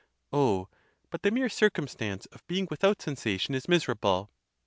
Oh, but the mere circum stance of being without sensation is miserable.